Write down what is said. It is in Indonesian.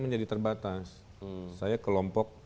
menjadi terbatas saya kelompok